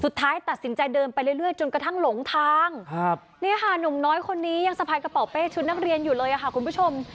สุดท้ายตัดสินใจเดินไปเรื่อยจนกระทั่งหลงทางเนี่ยค่ะหนุ่มน้อยคนนี้ยังสะพายกระเป๋าเป้ชุดนักเรียนอยู่เลยค่ะคุณผู้ชม